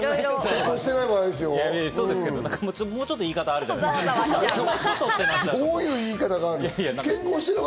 もうちょっと言い方があるじゃないですか。